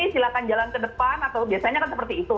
silahkan jalan ke depan atau biasanya kan seperti itu